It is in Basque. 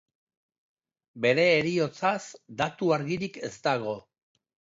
Bere heriotzaz datu argirik ez dago.